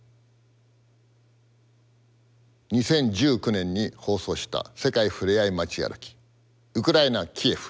２０１９年に放送した「世界ふれあい街歩き」「ウクライナキエフ」ご覧ください。